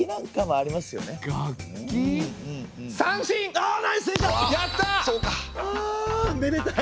あめでたい！